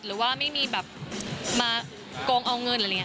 หรือว่าไม่มีแบบมาโกงเอาเงินอะไรอย่างนี้